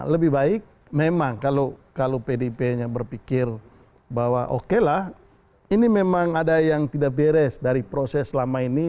lebih baik memang kalau pdip nya berpikir bahwa oke lah ini memang ada yang tidak beres dari proses selama ini